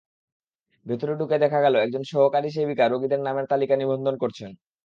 ভেতরে ঢুকে দেখা গেল, একজন সহকারী সেবিকা রোগীদের নামের তালিকা নিবন্ধন করছেন।